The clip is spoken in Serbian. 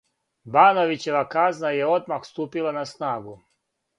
Бановићева казна је одмах ступила на снагу.